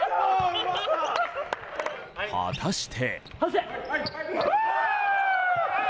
果たして。